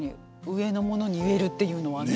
上の者に言えるっていうのはね。